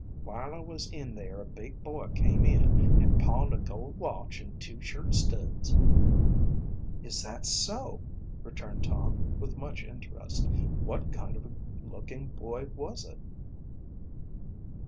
While I was in there a big boy came in and pawned a gold watch an' two shirt studs." "Is that so," returned Tom, with much interest. "What kind of a looking boy was it?"